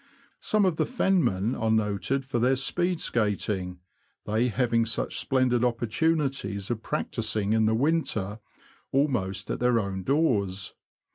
Some of the fen men are noted for their speed skating; they having such splendid opportunities of practising in the winter, almost at their own doors.